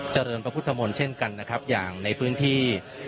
เจริญพระพุทธมนต์เช่นกันนะครับอย่างในพื้นที่